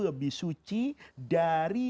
lebih suci dari